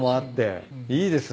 いいですね